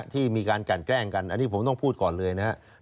ที่มีการกันแกล้งกันอันนี้ผมต้องพูดก่อนเลยนะครับ